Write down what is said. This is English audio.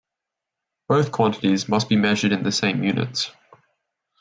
Both quantities must be measured in the same units.